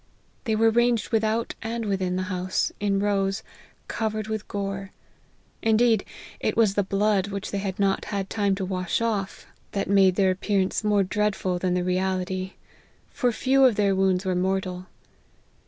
They were ranged without and within the house, in rows, covered with gore. Indeed, it was the blood, which they had not had time to wash off, that made their F2 66 LIFE OF HENRY MARTYX. appearance more dreadful than the reality : for few of their wounds were mortal.